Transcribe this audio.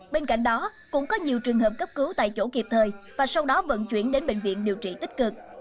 bên cạnh đó cũng có nhiều trường hợp cấp cứu tại chỗ kịp thời và sau đó vận chuyển đến bệnh viện điều trị tích cực